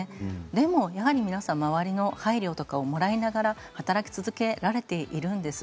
でも、やはり皆さん周りの配慮とかをもらいながら働き続けられているんです。